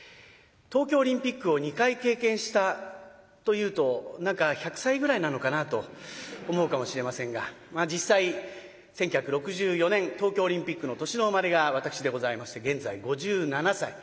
東京オリンピックを２回経験したと言うと何か１００歳ぐらいなのかなと思うかもしれませんが実際１９６４年東京オリンピックの年の生まれが私でございまして現在５７歳。